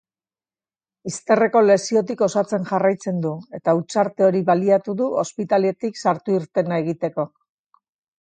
Izterreko lesiotik osatzen jarraitzen du eta hutsarte hori baliatu du ospitaletik sartu-irtena egiteko.